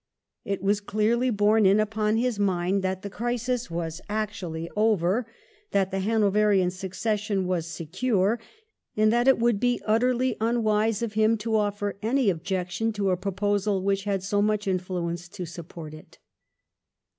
It was clearly borne in upon his mind that the crisis was actually over, that the Hanoverian succession was secure, and that it would be utterly unwise of him to offer any objection to a proposal which had so much influence to support it.